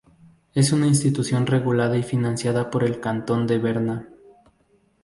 Es una institución regulada y financiada por el cantón de Berna.